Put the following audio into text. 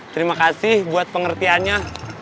terima kasih buat pengertiannya